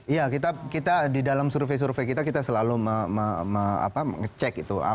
iya kita di dalam survei survei kita kita selalu mengecek itu